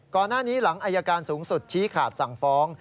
ก่อนหน้านี้หลังอายการสูงสุดชี้ขาดสั่งฟ้อง